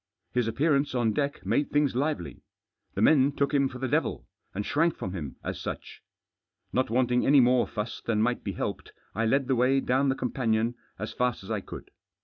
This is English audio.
His appearance on deck made things lively. The men took him for the devil, and shrank from him as such. Not wanting any more fuss than might be helped, I led the way down the companion as fast as I could.